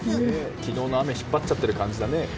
昨日の雨引っ張っちゃってる感じだね。